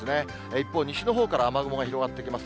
一方、西のほうから雨雲が広がってきます。